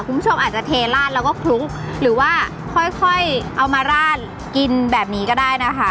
คุณผู้ชมอาจจะเทราดแล้วก็คลุกหรือว่าค่อยเอามาราดกินแบบนี้ก็ได้นะคะ